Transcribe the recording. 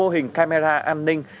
hình camera an ninh